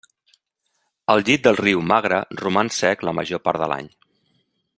El llit del riu Magre roman sec la major part de l'any.